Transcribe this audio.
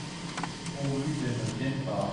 Pourvu qu’elle ne vienne pas !